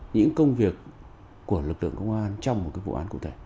những công việc của lực lượng công an trong một vụ án cụ thể